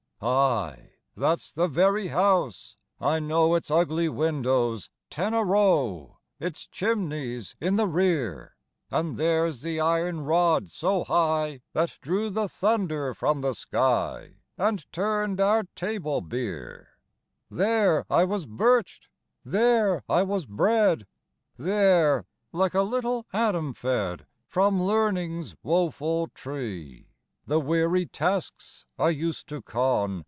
II. Ay, that's the very house! I know Its ugly windows, ten a row! Its chimneys in the rear! And there's the iron rod so high, That drew the thunder from the sky And turn'd our table beer! III. There I was birch'd! there I was bred! There like a little Adam fed From Learning's woeful tree! The weary tasks I used to con!